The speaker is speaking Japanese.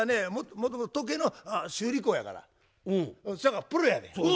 もともと時計の修理工やからそやからプロやねん。